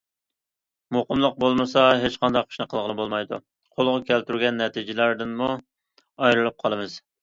مۇقىملىق بولمىسا، ھېچقانداق ئىشنى قىلغىلى بولمايدۇ، قولغا كەلتۈرگەن نەتىجىلەردىنمۇ ئايرىلىپ قالىمىز.